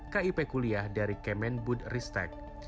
kip kuliah dari kemenbud ristek